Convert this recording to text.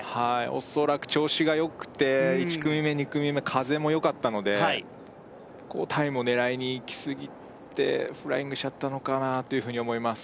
おそらく調子がよくて１組目２組目風もよかったのでタイムを狙いにいきすぎてフライングしちゃったのかなというふうに思います